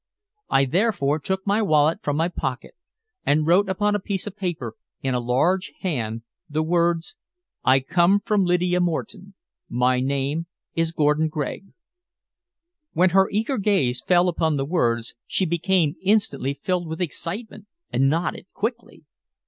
I therefore took my wallet from my pocket and wrote upon a piece of paper in a large hand the words: "I come from Lydia Moreton. My name is Gordon Gregg." When her eager gaze fell upon the words she became instantly filled with excitement, and nodded quickly.